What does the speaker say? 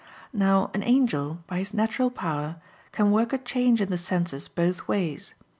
Now an angel, by his natural power, can work a change in the senses both ways.